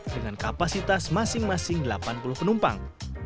dengan kapasitas masing masing delapan puluh penumpang